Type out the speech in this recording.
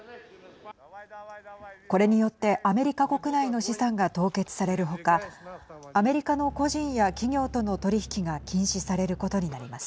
これによってアメリカ国内の資産が凍結される他アメリカの個人や企業との取り引きが禁止されることになります。